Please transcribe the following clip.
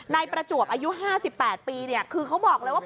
ประจวบอายุ๕๘ปีคือเขาบอกเลยว่า